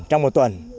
trong một tuần